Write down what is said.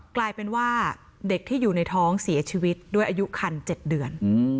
กลายเป็นว่าเด็กที่อยู่ในท้องเสียชีวิตด้วยอายุคัน๗เดือน